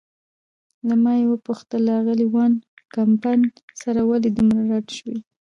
له ما یې وپوښتل: له آغلې وان کمپن سره ولې دومره رډ شوې؟